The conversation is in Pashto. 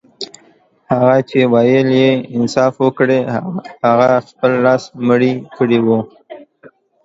هغه چي ويل يې انصاف وکړئ هغه خپله لس مړي کړي وه.